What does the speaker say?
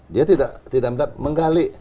dia tidak mendapat menggali